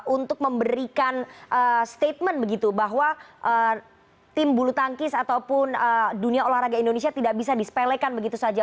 untuk memberikan statement begitu bahwa tim bulu tangkis ataupun dunia olahraga indonesia tidak bisa disepelekan begitu saja